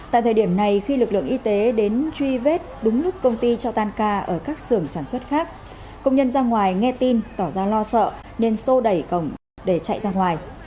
tại thời điểm này khi lực lượng y tế đến truy vết đúng lúc công ty cho tan ca ở các xưởng sản xuất khác công nhân ra ngoài nghe tin tỏ ra lo sợ nên xô đẩy cổng để chạy ra ngoài